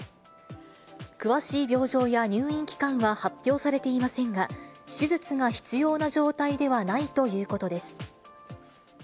詳しい病状や入院期間は発表されていませんが、手術が必要な状態ではないということです。